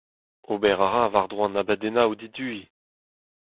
Ober a ra war-dro an abadennoù-diduiñ.